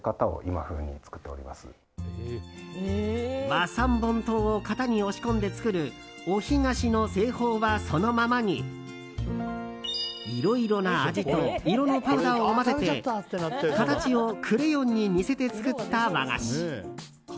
和三盆糖を型に押し込んで作るお干菓子の製法はそのままにいろいろな味と色のパウダーを混ぜて形をクレヨンに似せて作った和菓子。